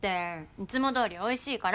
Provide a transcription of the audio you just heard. いつもどおりおいしいから。